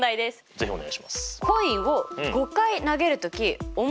是非お願いします。